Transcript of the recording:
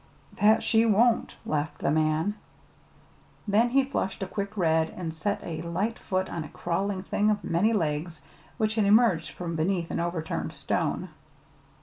"That she won't," laughed the man. Then he flushed a quick red and set a light foot on a crawling thing of many legs which had emerged from beneath an overturned stone.